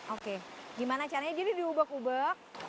oke gimana caranya jadi diubuk ubuk